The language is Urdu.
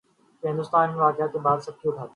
تھا کہ ہندوستان ان واقعات کے بعد سبکی اٹھاتا۔